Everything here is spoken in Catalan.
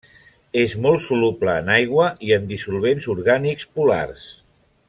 És molt soluble en aigua i en dissolvents orgànics polars.